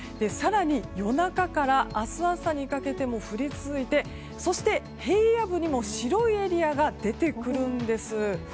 更に、夜中から明日朝にかけても降り続いて、そして平野部にも白いエリアが出てくるんです。